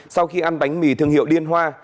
sau khi ăn bánh mì thương hiệu liên hoa